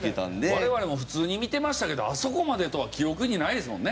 我々も普通に見てましたけどあそこまでとは記憶にないですもんね。